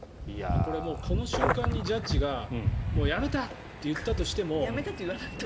この瞬間にジャッジがもうやめた！って言ったとしても。